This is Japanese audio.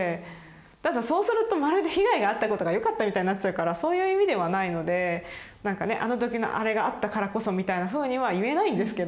ただそうするとまるで被害があったことがよかったみたいになっちゃうからそういう意味ではないのでなんかねあのときのあれがあったからこそみたいなふうには言えないんですけど。